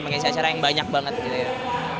mengisi acara yang banyak banget gitu ya